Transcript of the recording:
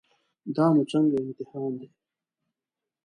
دا نو څنګه امتحان دی.